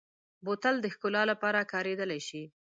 بوتل د ښکلا لپاره کارېدلی شي.